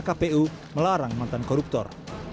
kpu melarang mantan koruptor